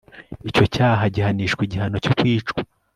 icyo cyaha gihanishwa igihano cyo kwicwa